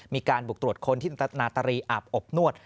มีการบุกตรวจค้นที่นาตรีอาบอบนวด